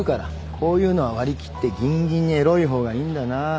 こういうのは割り切ってぎんぎんにエロい方がいいんだな。